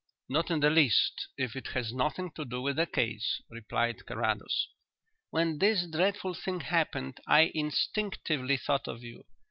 "Not in the least if it has nothing to do with the case," replied Carrados. "When this dreadful thing happened I instinctively thought of you.